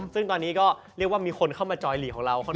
ซึ่งตอนนี้ก็เรียกว่ามีคนเข้ามาจอยหลีกของเรา